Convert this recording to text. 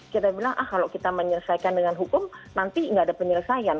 kita bilang ah kalau kita menyelesaikan dengan hukum nanti nggak ada penyelesaian